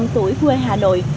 ba mươi năm tuổi quê hà nội